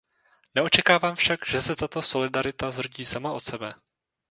Neočekávám však, že se tato solidarita zrodí sama od sebe.